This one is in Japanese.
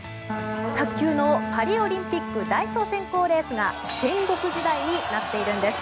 卓球のパリオリンピック代表選考レースが戦国時代になっているんです。